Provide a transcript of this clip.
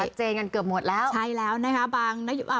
เจนกันเกือบหมดแล้วใช่แล้วนะคะบางอ่า